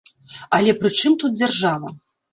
Але пры чым тут дзяржава?